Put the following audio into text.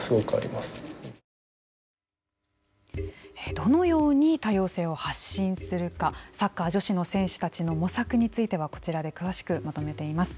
どのように多様性を発信するかサッカー女子の選手たちの模索についてはこちらで詳しくまとめています。